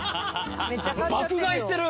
爆買いしてる。